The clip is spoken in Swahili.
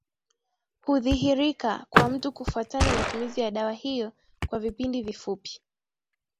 hudhihirika kwa mtu kufuatana na matumizi ya dawa hiyo kwa vipindi vifupi